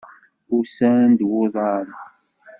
Ussan d wuḍan.